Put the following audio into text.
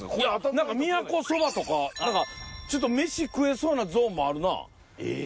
何か宮古そばとかちょっと飯食えそうなゾーンもあるな。